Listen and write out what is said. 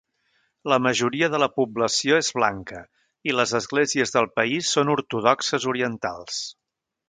La majoria de la població és blanca, i les esglésies del país són ortodoxes orientals.